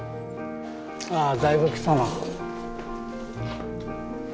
ああだいぶ来たな。